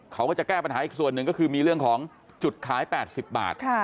เขาก็จะแก้ปัญหาอีกส่วนหนึ่งก็คือมีเรื่องของจุดขาย๘๐บาท